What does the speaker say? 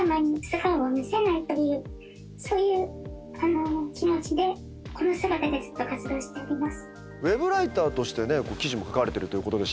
そういう気持ちでこの姿でずっと活動しております。